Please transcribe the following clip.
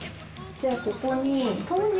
じゃあここに豆乳。